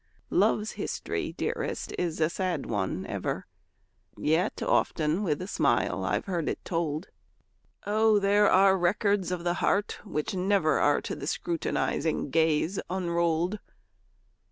Love's history, dearest, is a sad one ever, Yet often with a smile I've heard it told! Oh, there are records of the heart which never Are to the scrutinizing gaze unrolled!